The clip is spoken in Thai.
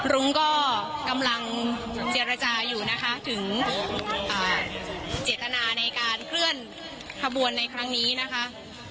รุ้งก็กำลังเจรจาอยู่นะคะถึงเจตนาในการเคลื่อนขบวนในครั้งนี้นะคะ